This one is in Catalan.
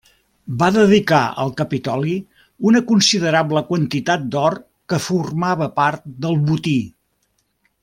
Va dedicar al Capitoli una considerable quantitat d'or que formava part del botí.